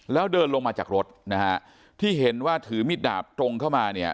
แล้วเดินลงมาจากรถนะฮะที่เห็นว่าถือมิดดาบตรงเข้ามาเนี่ย